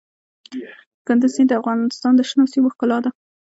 کندز سیند د افغانستان د شنو سیمو ښکلا ده.